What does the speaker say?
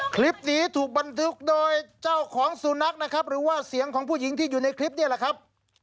คลิปนี้ถูกบันทึกโดยเจ้าของสุนัขนะครับหรือว่าเสียงของผู้หญิงที่อยู่ในคลิปนี่แหละครับ